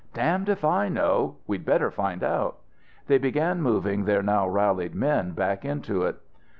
"Damned if I know! We'd better find out!" They began moving their now rallied men back into it.